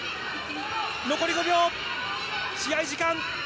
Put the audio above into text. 残り５秒、試合時間。